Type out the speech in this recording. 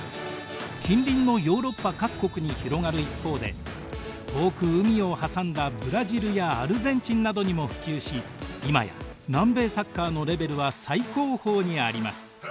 近隣のヨーロッパ各国に広がる一方で遠く海を挟んだブラジルやアルゼンチンなどにも普及し今や南米サッカーのレベルは最高峰にあります。